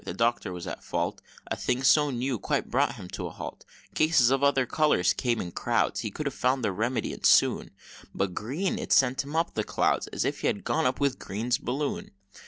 The Doctor was at fault; A thing so new quite brought him to a halt. Cases of other colors came in crowds, He could have found their remedy, and soon; But green it sent him up among the clouds, As if he had gone up with Green's balloon!